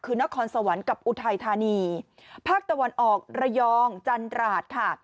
คือนครสวรรค์กับอุทัยธานีภาคตะวันออกระยองจันราชค่ะ